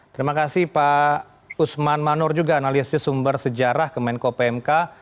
terima kasih pak usman manur juga analisis sumber sejarah kemenko pmk